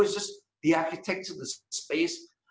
itu hanya arsitektur ruang